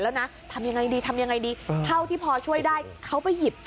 แล้วน่ะเธออย่างไรดีเธอไปหยิบ